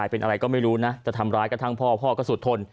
เป็นอะไรก็ไม่รู้นะจะทำร้ายกระทั่งพ่อพ่อก็สุดทน